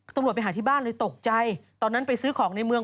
ตำรวจไปหาที่บ้านเลยตกใจตอนนั้นไปซื้อของในเมือง